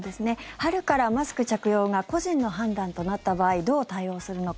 春からマスク着用が個人の判断となった場合どう対応するのか